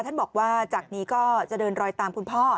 ท่านบอกว่าจากนี้ก็จะเดินรอยตามคุณพ่อ